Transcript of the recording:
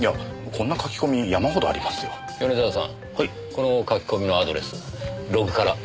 この書き込みのアドレスログから割り出せますか？